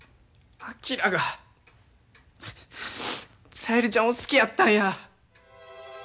昭が小百合ちゃんを好きやったんや。